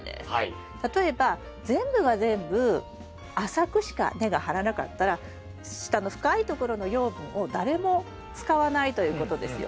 例えば全部が全部浅くしか根が張らなかったら下の深いところの養分を誰も使わないということですよね。